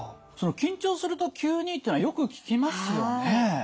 その緊張すると急にっていうのはよく聞きますよね。